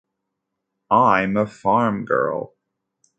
I'm a farmgirl.